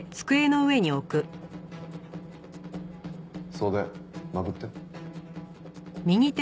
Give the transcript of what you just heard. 袖まくって。